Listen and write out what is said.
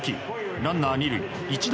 ランナー２塁一打